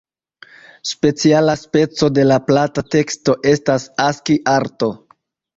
Speciala speco de plata teksto estas Aski-arto.